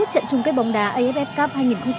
trận chung kết bóng đá aff cup hai nghìn một mươi chín